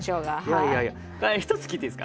はい。